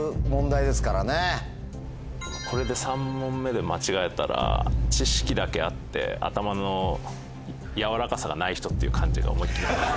これで３問目で間違えたら知識だけあって頭のやわらかさがない人っていう感じが思いっきり。